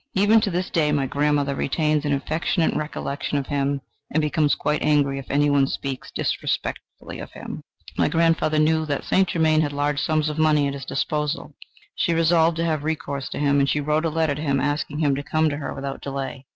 Even to this day my grandmother retains an affectionate recollection of him, and becomes quite angry if any one speaks disrespectfully of him. My grandmother knew that St. Germain had large sums of money at his disposal. She resolved to have recourse to him, and she wrote a letter to him asking him to come to her without delay.